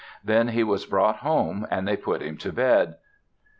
Then he was brought home and they put him to bed.